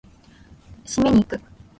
締めに行く！